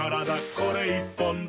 これ１本で」